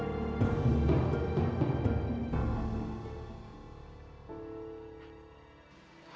tuhan saya ingin tahu